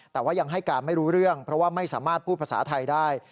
แต่ว่ายังให้การไม่รู้เรื่องเพราะว่าไม่สามารถพูดภาษาไทยได้